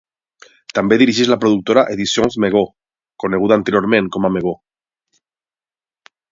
També dirigeix la productora Editions Mego, coneguda anteriorment com a Mego.